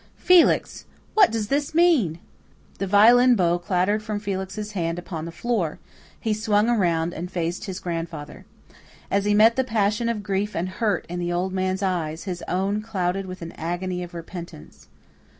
"Felix! what does this mean?" The violin bow clattered from Felix's hand upon the floor; he swung around and faced his grandfather. As he met the passion of grief and hurt in the old man's eyes, his own clouded with an agony of repentance.